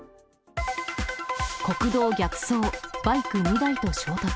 国道逆走、バイク２台と衝突。